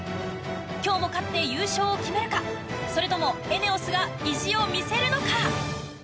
今日も勝って優勝を決めるかそれともＥＮＥＯＳが意地を見せるのか。